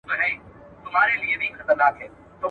ولې اوسنی وخت له پخواني سره فرق لري؟